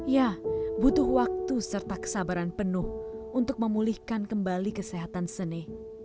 ya butuh waktu serta kesabaran penuh untuk memulihkan kembali kesehatan seni